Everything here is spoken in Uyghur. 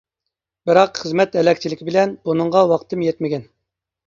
بىراق خىزمەت ھەلەكچىلىكى بىلەن بۇنىڭغا ۋاقتىم يەتمىگەن.